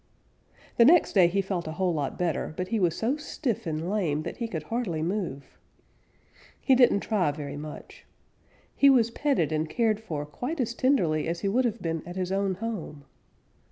The next day he felt a whole lot better, but he was so stiff and lame that he could hardly move. He didn't try very much. He was petted and cared for quite as tenderly as he would have been at his own home.